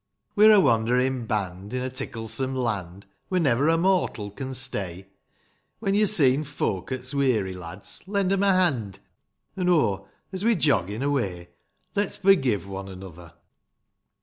We're a wanderin' band, in a ticklesome land, Where never a mortal can stay ; When yo seen folk 'at's weary, lads, lend 'em a hand, — An', oh, — as we're joggin' away, — Let's forgive one another